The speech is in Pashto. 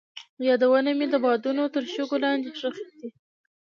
یادونه مې د بادونو تر شګو لاندې ښخې دي.